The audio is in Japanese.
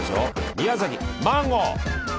宮崎マンゴー！